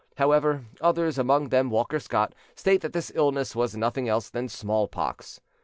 However, others, among them Walter Scott, state that this illness was nothing else than smallpox.